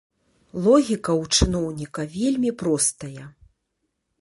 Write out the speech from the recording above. Логіка ў чыноўніка вельмі простая.